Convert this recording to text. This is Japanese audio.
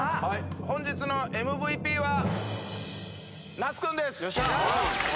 本日のＭＶＰは那須君です。